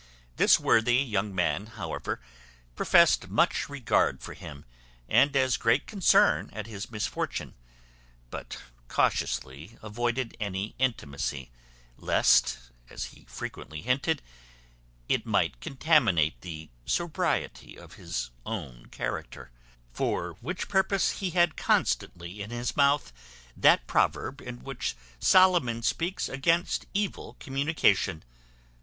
This worthy young man, however, professed much regard for him, and as great concern at his misfortune; but cautiously avoided any intimacy, lest, as he frequently hinted, it might contaminate the sobriety of his own character: for which purpose he had constantly in his mouth that proverb in which Solomon speaks against evil communication.